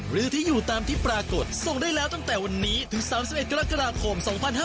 หรือที่อยู่ตามที่ปรากฏส่งได้แล้วตั้งแต่วันนี้ถึง๓๑กรกฎาคม๒๕๕๙